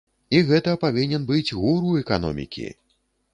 І гэта павінен быць гуру эканомікі.